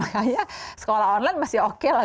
makanya sekolah online masih oke lah